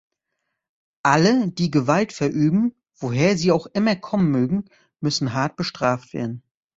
Alle, die Gewalt verüben, woher sie auch immer kommen mögen, müssen hart bestraft werden.